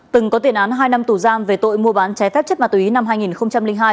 từng có tiền án hai năm tù giam về tội mua bán trái phép chất ma túy năm hai nghìn hai